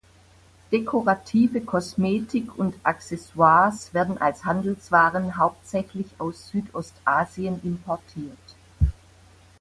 Dekorative Kosmetik und Accessoires werden als Handelswaren hauptsächlich aus Südostasien importiert.